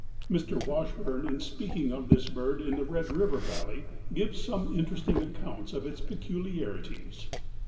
Mr. Washburn, in speaking of this bird in the Red River valley, gives some interesting accounts of its peculiarities.